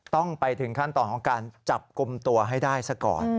ต้องไปถึงขั้นตอนของการจับกลุ่มตัวให้ได้ซะก่อน